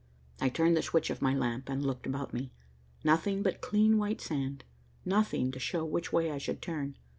I turned the switch of my lamp and looked about me. Nothing but clean, white sand, nothing to show which way I should turn.